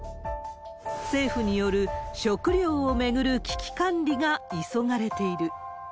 政府による食料を巡る危機管理が急がれている。